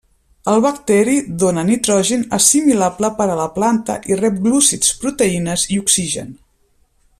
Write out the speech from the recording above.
El bacteri dóna nitrogen assimilable per a la planta i rep glúcids, proteïnes i oxigen.